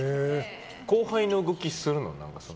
後輩の動きするの？